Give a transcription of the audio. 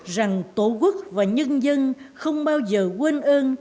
rằng tổ quốc và nhân dân không bao giờ quên ơn